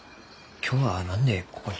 今日は何でここに？